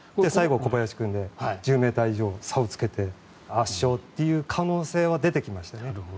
最後、小林君で１０ｍ以上差をつけて圧勝っていう可能性は出てきましたね。